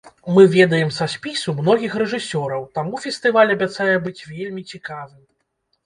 Мы ведаем са спісу многіх рэжысёраў, таму фестываль абяцае быць вельмі цікавым.